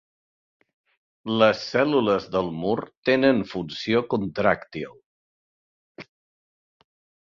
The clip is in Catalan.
Les cèl·lules del mur tenen funció contràctil.